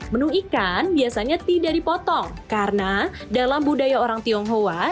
menu ikan biasanya tidak dipotong karena dalam budaya orang tionghoa